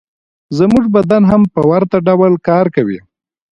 زموږ بدن هم په ورته ډول کار کوي